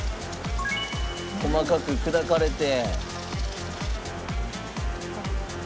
細かく砕かれて。